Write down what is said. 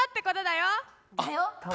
「だよ」？